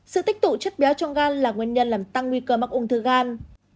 sự tích tụ chất béo trong gan là nguyên nhân làm tăng nguy cơ mắc ung thư gan